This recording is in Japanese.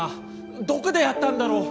どこで会ったんだろう？